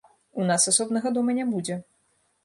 У нас асобнага дома не будзе.